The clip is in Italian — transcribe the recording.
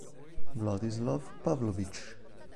Vladislav Pavlovič